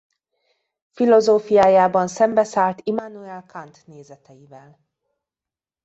Filozófiájában szembeszállt Immanuel Kant nézeteivel.